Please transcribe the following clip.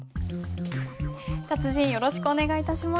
達人よろしくお願い致します。